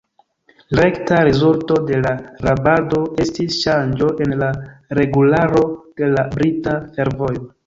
Rekta rezulto de la rabado estis ŝanĝo en la regularo de la brita fervojo.